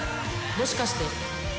もしかして。